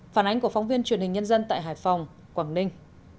phản ánh của phóng viên truyền hình nhân dân tại hải phòng quảng ninh